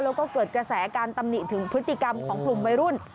แล้วก็เกิดกระแสการตำหนิถึงพฤติกรรมของกลุ่มวัยรุ่น